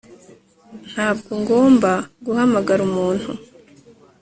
Ntabwo ngomba guhamagara umuntu